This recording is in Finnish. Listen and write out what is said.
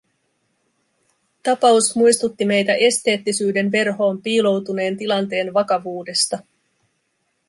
Tapaus muistutti meitä esteettisyyden verhoon piiloutuneen tilanteen vakavuudesta.